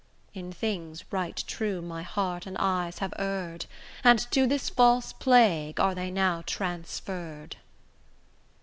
In things right true my heart and eyes have err'd, And to this false plague are they now transferr'd.